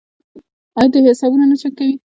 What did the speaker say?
آیا دوی حسابونه نه چک کوي؟